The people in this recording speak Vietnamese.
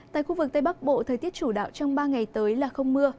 tại khu vực tây bắc bộ thời tiết chủ đạo trong ba ngày tới là không mưa